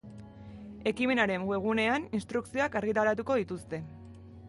Ekimenaren webgunean instrukzioak argitaratuko dituzte.